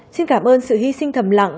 xin cảm ơn sự hy sinh thầm lặng